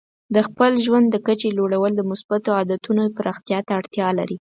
د خپل ژوند د کچې لوړول د مثبتو عادتونو پراختیا ته اړتیا لري.